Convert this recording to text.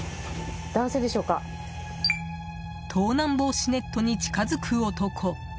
盗難防止ネットに近づく男。